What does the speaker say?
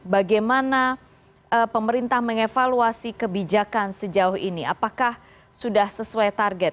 bagaimana pemerintah mengevaluasi kebijakan sejauh ini apakah sudah sesuai target